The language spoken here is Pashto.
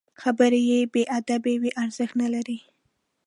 خبرې چې بې ادبه وي، ارزښت نلري